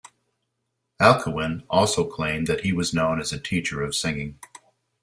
Alcuin also claimed that he was known as a teacher of singing.